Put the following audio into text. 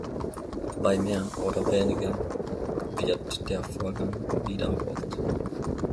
Bei mehr oder weniger wird der Vorgang wiederholt.